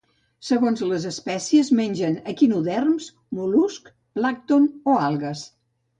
Segons les espècies mengen equinoderms, mol·luscs, plàncton o algues.